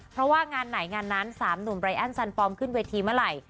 เพราะว่างานไหนงานนั้นสามหนุ่มรายอั้นซันฟอร์มขึ้นเวทีมาลัย